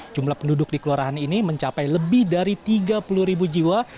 jumlah penduduk di kelurahan ini mencapai lebih dari tiga puluh ribu jiwa